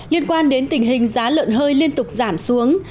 liên quan đến tình hình giá lợn hơi liên tục giảm xuống